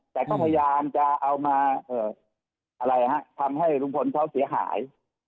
แต่ก็พยายามจะเอามาทำให้ลุงพลเขาเสียหาย